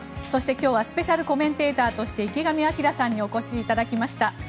そして、今日はスペシャルコメンテーターとして池上彰さんにお越しいただきました。